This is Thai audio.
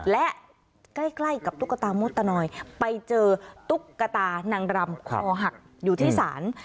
และใกล้กับตุ๊กตามดตะนอยไปเจอตุ๊กตานางรำคอหักอยู่ที่ศาล